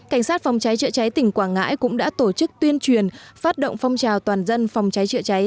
cảnh sát phòng cháy chữa cháy tỉnh quảng ngãi cũng đã tổ chức tuyên truyền phát động phong trào toàn dân phòng cháy chữa cháy